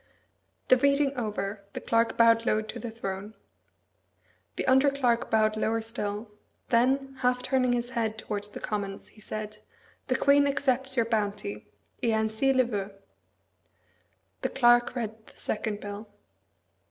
The reading over, the Clerk bowed low to the throne. The under clerk bowed lower still; then, half turning his head towards the Commons, he said, "The Queen accepts your bounty et ainsi le veut." The Clerk read the second bill.